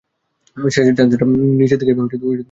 শেষের ড্যান্সারটা, নিচের দিকে শুয়ে পড়েছে।